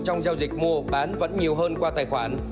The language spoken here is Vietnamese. trong giao dịch mua bán vẫn nhiều hơn qua tài khoản